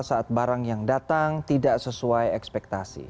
saat barang yang datang tidak sesuai ekspektasi